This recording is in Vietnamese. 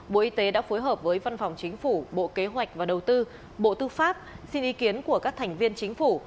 bộ y tế đã phối hợp với văn phòng chính phủ bộ kế hoạch và đầu tư bộ tư pháp xin ý kiến của các thành viên chính phủ